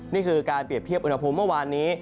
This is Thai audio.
นี่คือการเปรียบเทียบอุณหภูมิเมื่อวานนี้